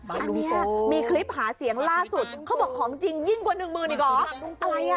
อันนี้มีคลิปหาเสียงล่าสุดเขาบอกของจริงยิ่งกว่าหนึ่งหมื่นอีกเหรออะไรอ่ะ